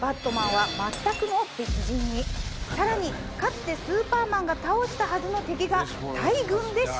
さらにかつてスーパーマンが倒したはずの敵が大軍で襲来。